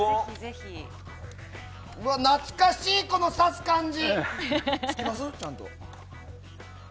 うわ、懐かしいこの挿す感じ！